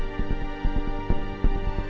saya merasakan hidup saya